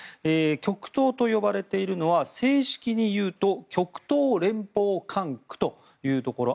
極東と呼ばれているのは正式にいうと極東連邦管区というところ。